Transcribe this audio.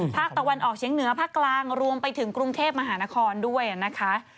ภาคตะวันออกเชียงเหนือภาคกลางรวมไปถึงกรุงเทพมหานครด้วยนะคะ